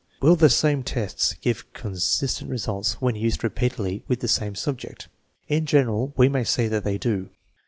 Will the same tests give consistent resHte ^en used repeatedly with the same sub ject? In general we may say that they do.